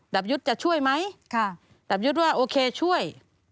ยุทธ์จะช่วยไหมดาบยุทธ์ว่าโอเคช่วย